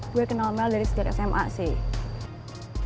gue kenal mel dari sejak sma sih